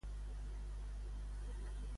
Quin aspecte té el drac Nidhogg?